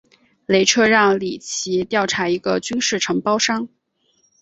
雷彻让里奇调查一个军事承包商。